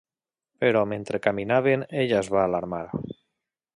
Però mentre caminaven ella es va alarmar.